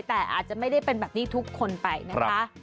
แต่อาจจะไม่ได้เป็นแบบนี้ทุกคนไปนะคะ